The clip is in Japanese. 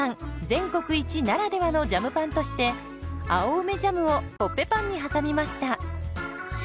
全国一ならではのジャムパンとして青梅ジャムをコッペパンに挟みました。